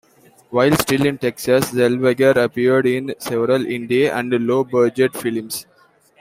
While still in Texas, Zellweger appeared in several indie and low budget films.